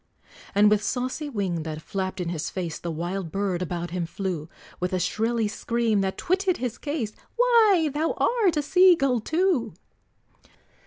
And with saucy wing that flapped in his face, The wild bird about him flew, With a shrilly scream, that twitted his case, "Why, thou art a sea gull too!"